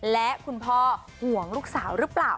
และคุณพ่อห่วงลูกสาวหรือเปล่า